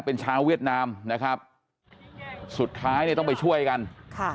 เป็นชาวเวียดนามนะครับสุดท้ายเนี่ยต้องไปช่วยกันค่ะ